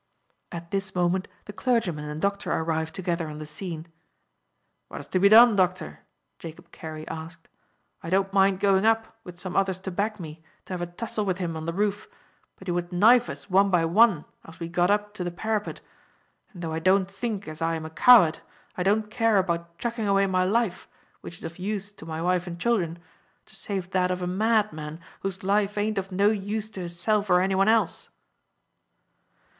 At this moment the clergyman and doctor arrived together on the scene. "What is to be done, doctor?" Jacob Carey asked. "I don't mind going up, with some others to back me, to have a tussle with him on the roof; but he would knife us one by one as we got up to the parapet, and, though I don't think as I am a coward, I don't care about chucking away my life, which is of use to my wife and children, to save that of a madman whose life ain't of no use to hisself or any one else."